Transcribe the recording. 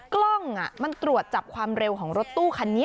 กล้องมันตรวจจับความเร็วของรถตู้คันนี้